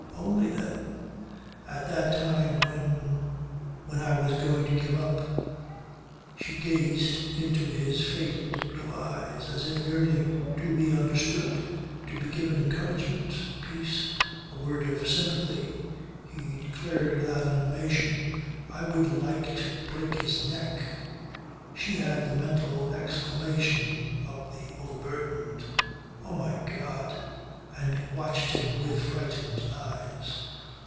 Only then. At that time when when I was going to give up." She gazed into his faded blue eyes as if yearning to be understood, to be given encouragement, peace a word of sympathy. He declared without animation "I would like to break his neck." She had the mental exclamation of the overburdened. "Oh my God!" and watched him with frightened eyes.